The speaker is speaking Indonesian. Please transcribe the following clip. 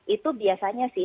itu biasanya sih